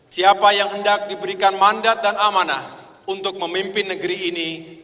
siapa yang hendak diberikan mandat dan amanah untuk memimpin negeri ini lima tahun ke depan